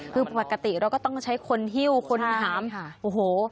คือปกติเราก็ต้องใช้คนหิ้วคนหามโอ้โห